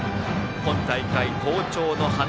今大会好調の塙。